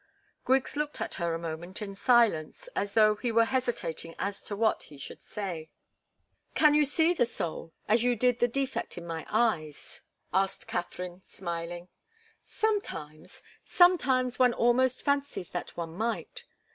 Griggs looked at her a moment in silence, as though he were hesitating as to what he should say. "Can you see the soul, as you did the defect in my eyes?" asked Katharine, smiling. "Sometimes sometimes one almost fancies that one might."